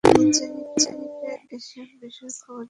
চেনিকে এসব বিষয়ে খবর দিতে থাকবো?